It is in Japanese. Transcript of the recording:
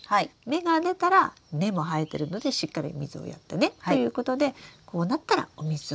芽が出たら根も生えてるのでしっかりお水をやってねということでこうなったらお水をやってください。